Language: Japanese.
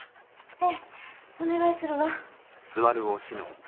ええお願いするわ。